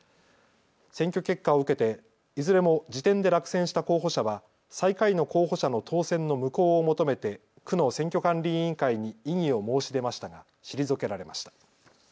選挙結果を受けていずれも次点で落選した候補者は最下位の候補者の当選の無効を求めて区の選挙管理委員会に異議を申し出ましたが退けられました。